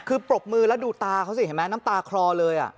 คือปรบมือดูน้ำตาคลอเลย